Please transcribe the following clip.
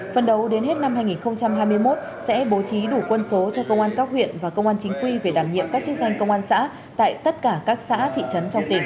phần đầu đến hết năm hai nghìn hai mươi một sẽ bố trí đủ quân số cho công an các huyện và công an chính quy về đảm nhiệm các chức danh công an xã tại tất cả các xã thị trấn trong tỉnh